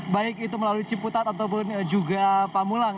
baik itu melalui ciputat ataupun juga pamulang